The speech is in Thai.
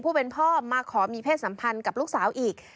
พ่อมาขอมีเพศสัมพันธ์กับลูกสาวอีก